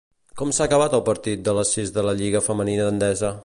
Com s'ha acabat el partit de les sis de la lliga femenina Endesa?